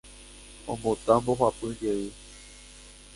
Ombota mbohapy jey